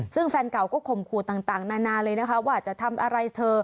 ซึ่งแฟนเก่าก็ข่มขู่ต่างนานาเลยนะคะว่าจะทำอะไรเธอ